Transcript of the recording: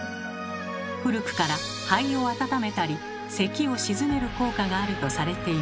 古くから肺を温めたりせきを鎮める効果があるとされていました。